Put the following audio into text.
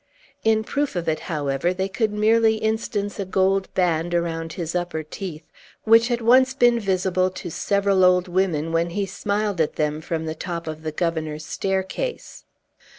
In proof of it, however, they could merely instance a gold band around his upper teeth, which had once been visible to several old women, when he smiled at them from the top of the governor's staircase.